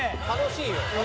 「楽しいよ」